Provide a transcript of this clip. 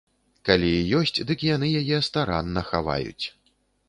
Калі і ёсць, дык яны яе старанна хаваюць.